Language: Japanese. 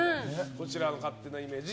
こちらの勝手なイメージ